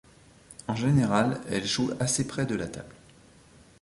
En général, elle joue assez près de la table.